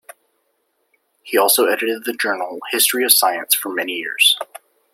He also edited the journal "History of Science" for many years.